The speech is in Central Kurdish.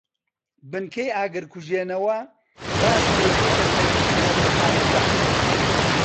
بنکەی ئاگرکوژێنەوە ڕاست کەوتووەتە تەنیشت فڕۆکەخانەکە.